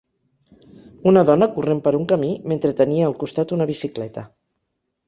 Una dona corrent per un camí mentre tenia al costat una bicicleta.